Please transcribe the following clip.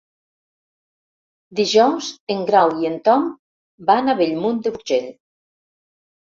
Dijous en Grau i en Tom van a Bellmunt d'Urgell.